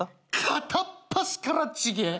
片っ端からちげえ。